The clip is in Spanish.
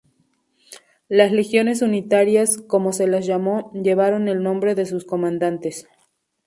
Las legiones unitarias, como se las llamo, llevaron el nombre de sus comandantes.